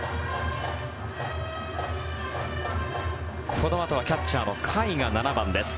このあとはキャッチャーの甲斐が７番です。